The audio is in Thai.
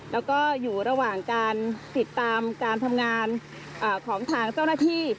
แล้วก็อยู่ระหว่างการติดตามการทำงานของทางเจ้าหน้าที่